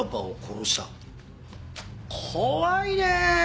怖いねえ。